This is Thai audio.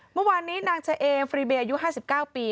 เมื่อวานนี้นางเฉเอมฟรีเบียอายุ๕๙ปี